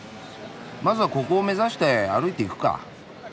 まずはここを目指して歩いていくか。